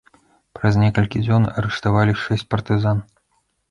Праз некалькі дзён арыштавалі шэсць партызан.